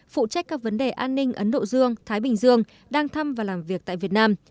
phụ trách các vấn đề an ninh ấn độ dương thái bình dương đang thăm và làm việc tại việt nam